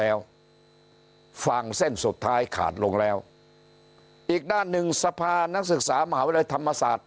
แล้วฝั่งเส้นสุดท้ายขาดลงแล้วอีกด้านหนึ่งสภานักศึกษามหาวิทยาลัยธรรมศาสตร์